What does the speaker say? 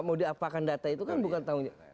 mau diapakan data itu kan bukan tanggung jawab